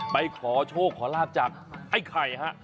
ไปขอโชคขอลาบจากไอ้ไข่ฮะ